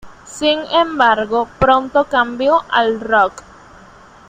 Sin embargo, pronto cambió al rock.